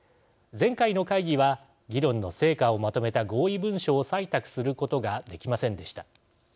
前回の会議は議論の成果をまとめた合意文書を採択することができませんでした。